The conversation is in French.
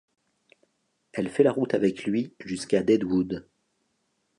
Elle fait la route avec lui jusqu'à Deadwood.